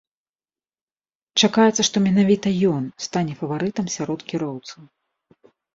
Чакаецца, што менавіта ён стане фаварытам сярод кіроўцаў.